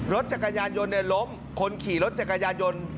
รถจักรยานยนต์ล้มคนขี่รถจักรยานยนต์